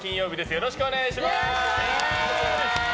よろしくお願いします！